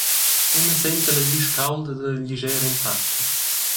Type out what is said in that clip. Emma senta la glisch caulda dalla glischera en fatscha.